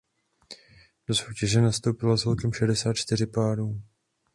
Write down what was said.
Do soutěže nastoupilo celkem šedesát čtyři párů.